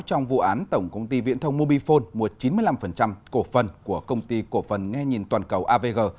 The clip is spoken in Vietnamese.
trong vụ án tổng công ty viễn thông mobifone mua chín mươi năm cổ phần của công ty cổ phần nghe nhìn toàn cầu avg